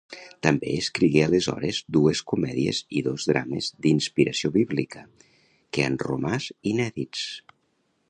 També escrigué aleshores dues comèdies i dos drames d'inspiració bíblica, que han romàs inèdits.